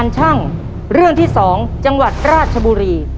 จังหวัดราชบุรี